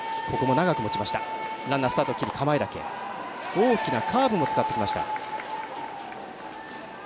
大きなカーブも使ってきました。